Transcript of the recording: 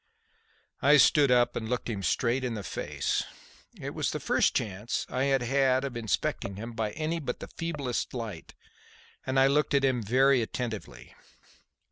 I stood up and looked him straight in the face; it was the first chance I had had of inspecting him by any but the feeblest light, and I looked at him very attentively.